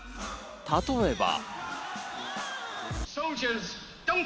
例えば。